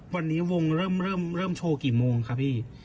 วันนี้วงเริ่มโชว์กี่โมงคะพี่